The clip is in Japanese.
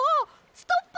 ストップ！